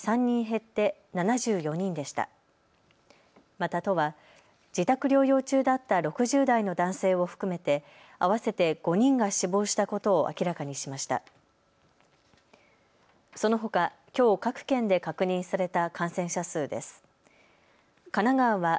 また、都は自宅療養中だった６０代の男性を含めて合わせて５人が死亡したことを明らかにしました。